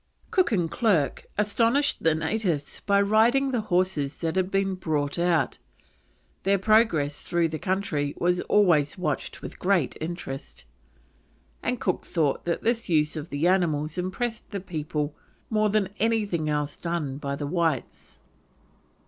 Cook and Clerke astonished the natives by riding the horses that had been brought out; their progress through the country was always watched with great interest, and Cook thought that this use of the animals impressed the people more than anything else done by the whites.